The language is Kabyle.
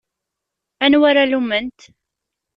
Anwa ara lumment?